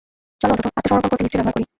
চলো অন্তত, আত্মসমর্পণ করতে লিফটে ব্যবহার করি।